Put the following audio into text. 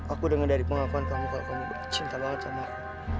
aku dengar dari pengakuan kamu kalau kamu cinta banget sama